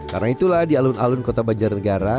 karena itulah di alun alun kota banjaranegara